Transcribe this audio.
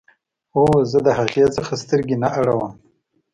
او زه د هغې څخه سترګې نه اړوم